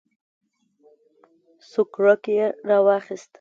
سوکړک یې واخیست.